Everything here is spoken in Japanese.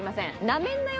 なめんなよ